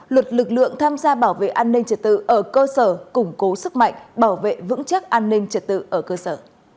luật lực lượng tham gia bảo vệ an ninh trật tự ở cơ sở củng cố sức mạnh bảo vệ vững chắc an ninh trật tự ở cơ sở